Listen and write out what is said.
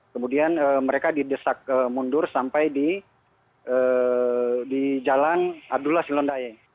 kemudian mereka didesak mundur sampai di jalan abdullah silondai